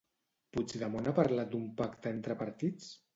Puigdemont ha parlat d'un pacte entre partits?